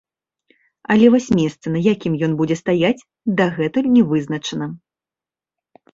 Але вось месца, на якім ён будзе стаяць, дагэтуль не вызначана.